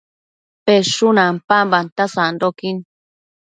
peshun ampambanta sandoquin